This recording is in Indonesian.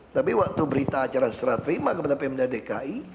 tapi waktu berita acara serat terima kepada pmd dki